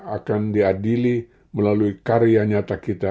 akan diadili melalui karya nyata kita